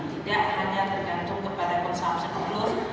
tidak hanya tergantung kepada consumption plus